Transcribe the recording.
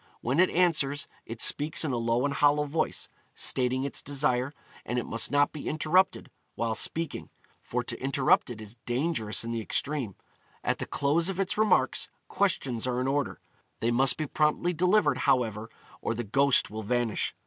When it answers, it speaks in a low and hollow voice, stating its desire; and it must not be interrupted while speaking, for to interrupt it is dangerous in the extreme. At the close of its remarks, questions are in order. They must be promptly delivered, however, or the ghost will vanish.